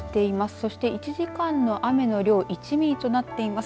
そして、１時間の雨の量１ミリとなっています。